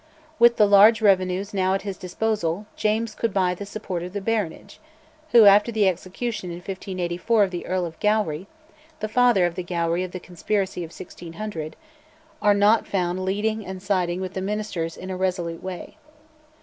With the large revenues now at his disposal James could buy the support of the baronage, who, after the execution in 1584 of the Earl of Gowrie (the father of the Gowrie of the conspiracy of 1600), are not found leading and siding with the ministers in a resolute way.